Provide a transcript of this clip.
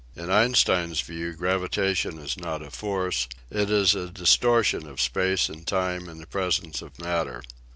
In Einstein's view gravi tation is not a force; it is a distortion of space and time in the presence of matter.